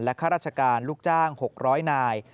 ข้าราชการลูกจ้าง๖๐๐นาย